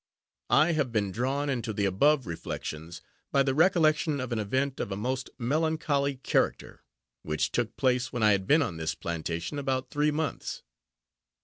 I have been drawn into the above reflections, by the recollection of an event of a most melancholy character, which took place when I had been on this plantation about three months.